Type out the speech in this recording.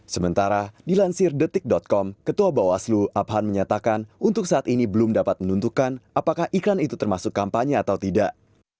sementara dilansir detik com ketua bawaslu abhan menyatakan untuk saat ini belum dapat menentukan apakah iklan itu termasuk kampanye atau tidak